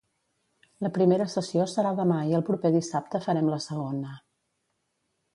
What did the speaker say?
La primera sessió serà demà i el proper dissabte farem la segona.